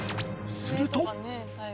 すると。